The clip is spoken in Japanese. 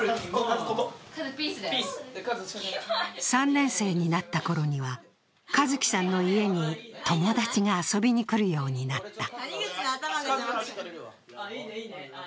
３年生になった頃には、和毅さんの家に友達が遊びに来るようになった。